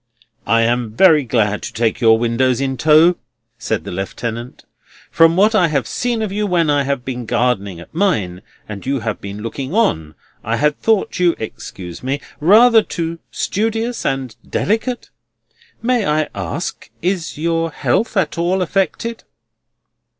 "I am very glad to take your windows in tow," said the Lieutenant. "From what I have seen of you when I have been gardening at mine, and you have been looking on, I have thought you (excuse me) rather too studious and delicate. May I ask, is your health at all affected?"